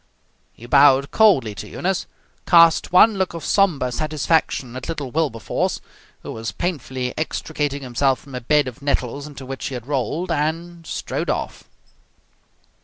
He bowed coldly to Eunice, cast one look of sombre satisfaction at little Wilberforce, who was painfully extricating himself from a bed of nettles into which he had rolled, and strode off.